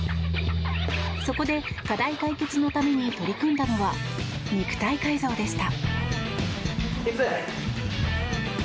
そこで、課題解決のために取り組んだのは肉体改造でした。